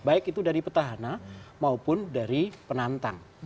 baik itu dari petahana maupun dari penantang